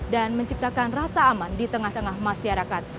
dan menciptakan rasa aman di tengah tengah masyarakat